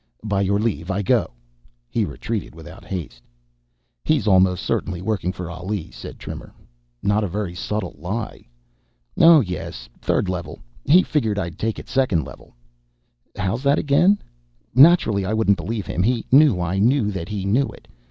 "By your leave, I go." He retreated without haste. "He's almost certainly working for Ali," said Trimmer. "Not a very subtle lie." "Oh, yes third level. He figured I'd take it second level." "How's that again?" "Naturally I wouldn't believe him. He knew I knew that he knew it.